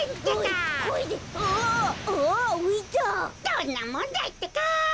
どんなもんだいってか！